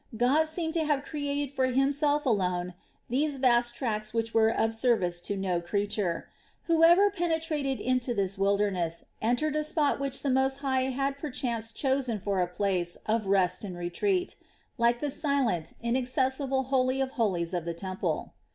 God seemed to have created for Himself alone these vast tracts which were of service to no living creature. Whoever penetrated into this wilderness entered a spot which the Most High had perchance chosen for a place of rest and retreat, like the silent, inaccessible Holy of Holies of the temple.